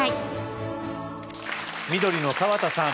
緑の川田さん